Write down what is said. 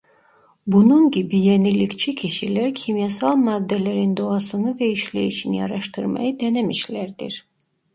Bunun gibi yenilikçi kişiler kimyasal maddelerin doğasını ve işleyişini araştırmayı denemişlerdir.